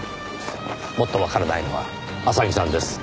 もっとわからないのは浅木さんです。